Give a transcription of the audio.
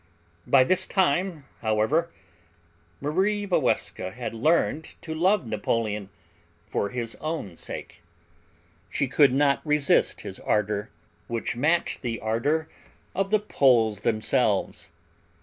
By this time, however, Marie Walewska had learned to love Napoleon for his own sake. She could not resist his ardor, which matched the ardor of the Poles themselves.